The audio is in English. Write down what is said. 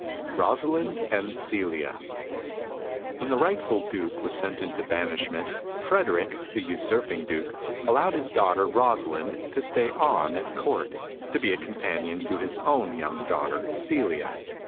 Rosalind and Celia When the rightful Duke was sent into banishment, Frederick, the usurping Duke, allowed his daughter Rosalind to stay on at Court, to be a companion to his own young daughter Celia.